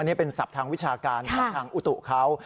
อันนี้เป็นศัพท์ทางวิชาการของทางอุตุเขา